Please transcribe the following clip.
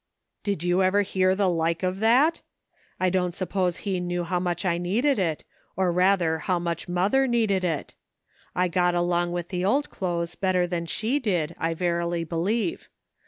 Did you ever hear the like of that? I don't suppose he knew how much I needed it, or rather how much mother needed it. I got along with the old clothes better than she did, I verily believe.